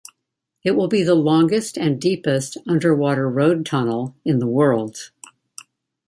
It will be the longest and deepest underwater road tunnel in the world.